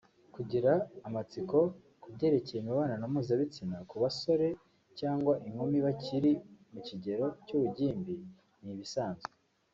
Kugira amatsiko kubyerekeye imibonano mpuzabitsina ku basore/inkumi bakiri mu kigero cy’ubugimbi ni ibisanzwe